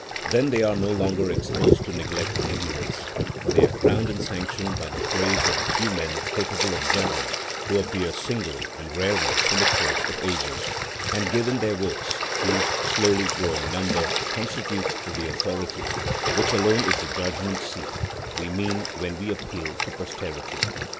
Then they are no longer exposed to neglect and ignorance, for they are crowned and sanctioned by the praise of the few men capable of judging, who appear singly and rarely in the course of ages,(57) and give in their votes, whose slowly growing number constitutes the authority, which alone is the judgment seat we mean when we appeal to posterity.